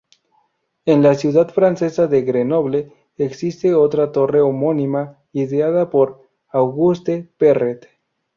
En la ciudad francesa de Grenoble existe otra torre homónima ideada por Auguste Perret.